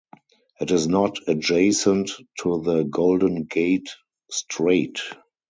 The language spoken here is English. It is not adjacent to the Golden Gate strait.